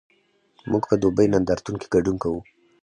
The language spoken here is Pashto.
موږ په دوبۍ نندارتون کې ګډون کوو؟